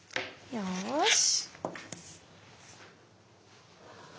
よし！